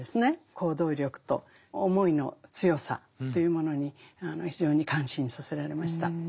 行動力と思いの強さというものに非常に感心させられました。